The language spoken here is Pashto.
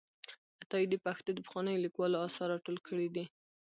عطایي د پښتو د پخوانیو لیکوالو آثار راټول کړي دي.